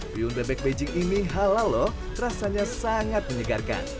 piyung bebek beijing ini halal lho rasanya sangat menyegarkan